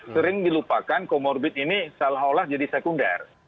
sering dilupakan komorbid ini salah olah jadi sekunder